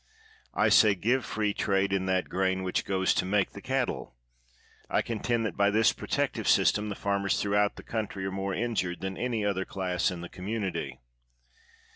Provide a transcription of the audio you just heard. I say give free trade in that grain which goes to make the cattle. I contend that by this protective system the farmers throughout the country are more in jured than any other class in the community.